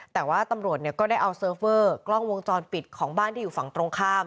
แต่ว่าตำรวจก็ได้เอาเซิร์ฟเวอร์กล้องวงจรปิดของบ้านที่อยู่ฝั่งตรงข้าม